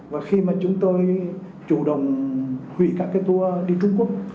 và khi mà chúng tôi chủ động hủy các cái tour đi trung quốc